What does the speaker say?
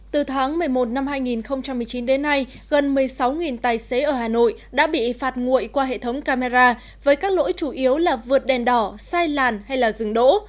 từ tháng một mươi một năm hai nghìn một mươi chín đến nay gần một mươi sáu tài xế ở hà nội đã bị phạt nguội qua hệ thống camera với các lỗi chủ yếu là vượt đèn đỏ sai làn hay dừng đỗ